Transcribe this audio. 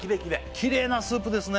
きれいなスープですね